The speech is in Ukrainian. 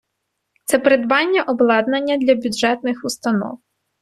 Це придбання обладнання для бюджетних установ.